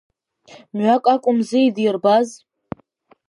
Мҩак акәымзи идирбаз…